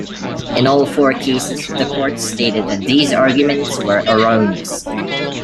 In all four cases, the courts stated that these arguments were erroneous.